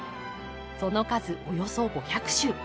その数およそ５００種。